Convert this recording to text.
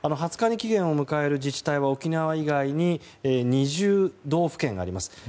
２０日に期限を迎える自治体は沖縄以外に２０道府県あります。